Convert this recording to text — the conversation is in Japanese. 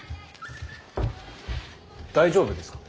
大丈夫ですか？